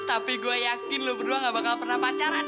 tapi gue yakin lu berdua gak bakal pernah pacaran